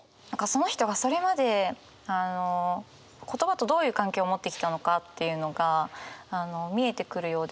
その人がそれまで言葉とどういう関係を持ってきたのかっていうのが見えてくるようでもあって。